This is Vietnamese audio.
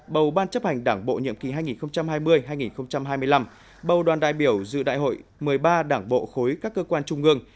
bầu ban chấp hành đảng bộ nhiệm kỳ hai nghìn hai mươi hai nghìn hai mươi năm bầu đoàn đại biểu dự đại hội một mươi ba đảng bộ khối các cơ quan trung ương